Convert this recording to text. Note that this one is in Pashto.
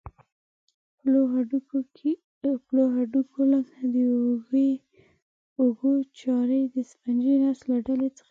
د پلنو هډوکو لکه د اوږو چارۍ د سفنجي نسج له ډلې څخه دي.